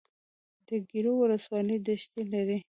د ګیرو ولسوالۍ دښتې لري